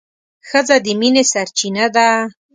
ښځه د مينې سرچينه ده